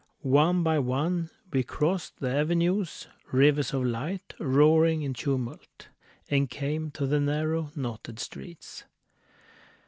One by one we crossed the avenues, Rivers of light, roaring in tumult, And came to the narrow, knotted streets.